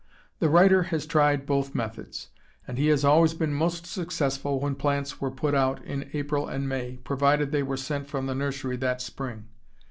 The writer has tried both methods, and he has always been most successful when plants were put out in April and May, provided they were sent from the nursery that spring.